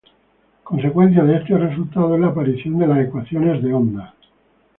Consecuencia de este resultado es la aparición de las ecuaciones de onda.